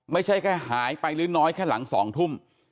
ไม่ใช่แค่หายไปหรือน้อยแค่หลัง๒ทุ่ม